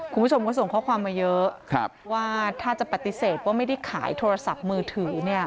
คุณผู้ชมก็ส่งข้อความมาเยอะว่าถ้าจะปฏิเสธว่าไม่ได้ขายโทรศัพท์มือถือเนี่ย